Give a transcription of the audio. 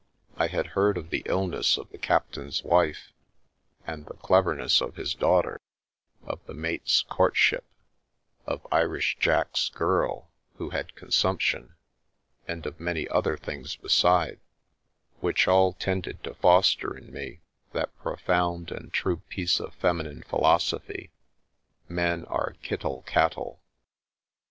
I 1 heard of the illness of the captain's wife, and the clev ness of his daughter; of the mate's courtship, of Ii Jack's girl, who had consumption, and of many ot tilings beside, which all tended to foster in me that p «« The Milky Way found and true piece of feminine philosophy, " Men are kittle cattle."